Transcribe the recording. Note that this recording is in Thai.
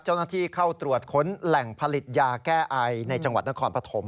เจ้าหน้าที่เข้าตรวจค้นแหล่งผลิตยาแก้ไอในจังหวัดนครปฐม